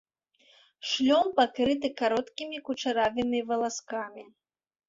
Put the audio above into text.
Шлём пакрыты кароткімі кучаравымі валаскамі.